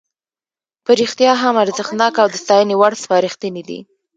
په رښتیا هم ارزښتناکه او د ستاینې وړ سپارښتنې دي.